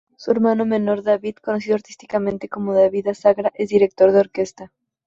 Su hermano menor David, conocido artísticamente como David Azagra, es director de orquesta.